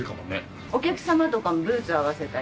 お客様とかもブーツ合わせたり。